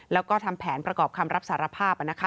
แล้วก็ทำแผนประกอบคำรับสารภาพนะคะ